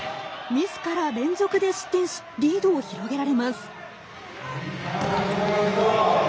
ミスから連続で失点しリードを広げられます。